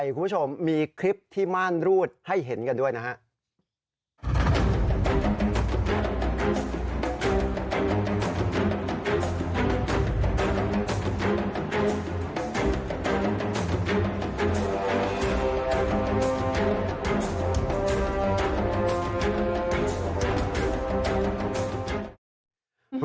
คุณผู้ชมมีคลิปที่ม่านรูดให้เห็นกันด้วยนะครับ